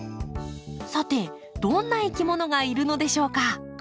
さてどんないきものがいるのでしょうか？